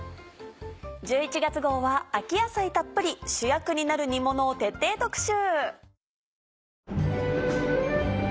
１１月号は「秋野菜たっぷり主役になる煮もの」を徹底特集。